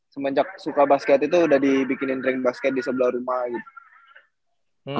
semenjak suka basket itu udah dibikinin ranking basket di sebelah rumah gitu